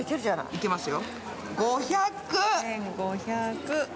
いけますよ。